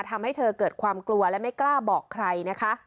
ทำให้เธอเกิดความกลัวและไม่กล้าบอกใครนะคะ